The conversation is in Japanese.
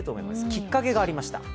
きっかけがありました。